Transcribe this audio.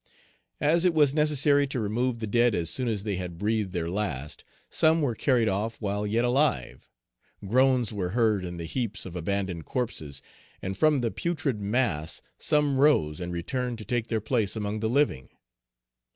As it was necessary to remove the dead as soon as they had breathed their last, some were carried off while yet alive; groans were heard in the heaps of abandoned corpses, and from the putrid mass some rose and returned to take their place among the living.